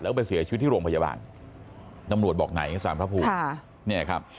แล้วก็ไปเสียชีวิตที่โรงพยาบาลตำรวจบอกไหนสามพระภูมิ